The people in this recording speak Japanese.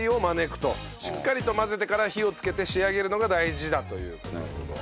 しっかりと混ぜてから火をつけて仕上げるのが大事だという事です。